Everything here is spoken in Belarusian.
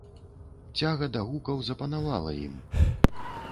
Цяга да гукаў запанавала ім.